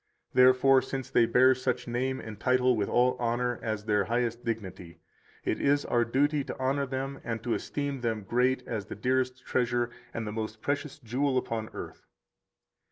Therefore, since they bear such name and title with all honor as their highest dignity, it is our duty to honor them and to esteem them great as the dearest treasure and the most precious jewel upon earth.